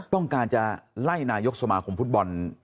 ต้องการจะไล่นายกสมาคมฟุตบอล